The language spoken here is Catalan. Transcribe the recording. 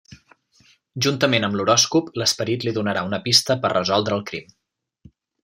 Juntament amb l'horòscop, l'esperit li donarà una pista per resoldre el crim.